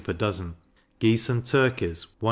per dozen; geese and turkies 1s.